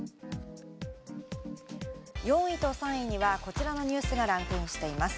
４位と３位にはこちらのニュースがランクインしています。